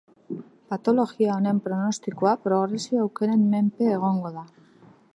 Patologia honen pronostikoa progresio aukeren menpe egongo da.